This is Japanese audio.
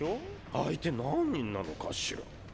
相手何人なのかしら。